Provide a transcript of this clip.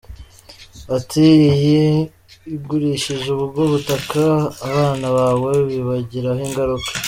Ati “Iyo ugurishije ubwo butaka, abana bawe bibagiraho ingaruka.